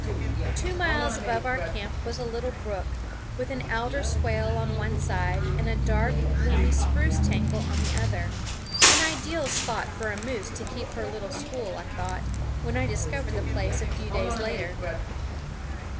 Two miles above our camp was a little brook, with an alder swale on one side and a dark, gloomy spruce tangle on the other an ideal spot for a moose to keep her little school, I thought, when I discovered the place a few days later.